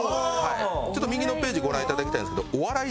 ちょっと右のページご覧頂きたいんですけどお笑い